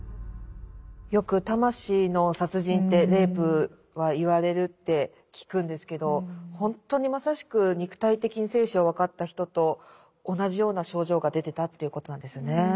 よく魂の殺人ってレイプは言われるって聞くんですけどほんとにまさしく肉体的に生死を分かった人と同じような症状が出てたということなんですよね。